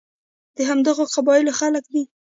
د همدغو قبایلو خلک دي.